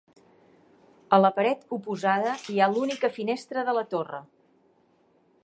A la paret oposada hi ha l’única finestra de la torre.